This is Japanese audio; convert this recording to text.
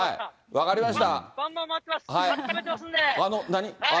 分かりました。